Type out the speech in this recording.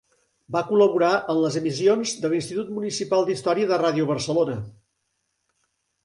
Va col·laborar en les emissions de l'Institut Municipal d'Història de Ràdio Barcelona.